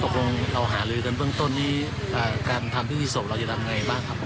ครับผมคงเอาหาเลยกันเพิ่งต้นที่การทำพิธีสมเราจะทำยังไงบ้างครับ